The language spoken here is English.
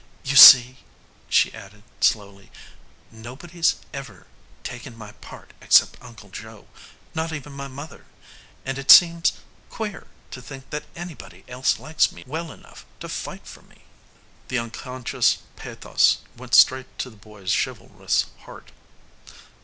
You see," she added slowly, "nobody's ever taken my part except Uncle Joe not even my mother; and it seems queer to think that anybody else likes me well enough to fight for me." The unconscious pathos went straight to the boy's chivalrous heart.